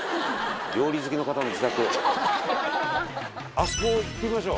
あそこ行ってみましょう。